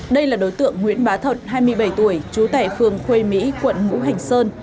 đây là đối tượng nguyễn bá thật hai mươi bảy tuổi trú tại phường khuê mỹ quận ngũ hành sơn